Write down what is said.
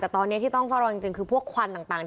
แต่ตอนนี้ที่ต้องเฝ้าระวังจริงคือพวกควันต่าง